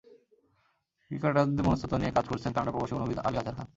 ক্রিকেটারদের মনোঃস্তত্ত্ব নিয়ে কাজ করছেন কানাডা প্রবাসী মনোবিদ আলী আজহার খান।